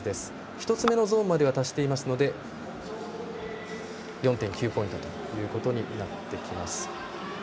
１つ目のゾーンまでは達していますので４．９ポイントとなってきます。